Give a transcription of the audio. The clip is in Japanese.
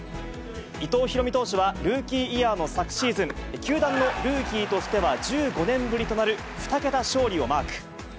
伊藤大海投手はルーキーイヤーの昨シーズン、球団のルーキーとしては１５年ぶりとなる２桁勝利をマーク。